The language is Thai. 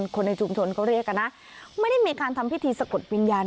คนในชุมชนเขาเรียกกันนะไม่ได้มีการทำพิธีสะกดวิญญาณ